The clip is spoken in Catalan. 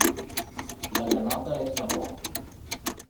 La granota és la por.